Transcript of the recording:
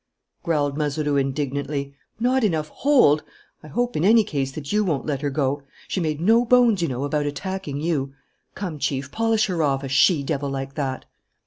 growled Mazeroux indignantly. "Not enough hold? I hope, in any case, that you won't let her go. She made no bones, you know, about attacking you! Come, Chief, polish her off, a she devil like that!"